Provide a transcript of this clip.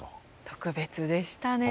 特別でしたね。